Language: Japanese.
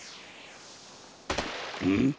うん？